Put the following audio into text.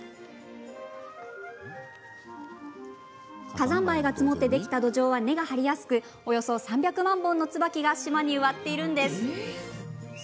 火山灰が積もってできた土壌は根が張りやすくおよそ３００万本の椿が島に植わっているんです。